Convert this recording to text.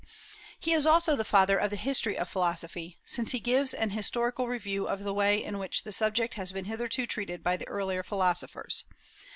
He is also the father of the history of philosophy, since he gives an historical review of the way in which the subject has been hitherto treated by the earlier philosophers.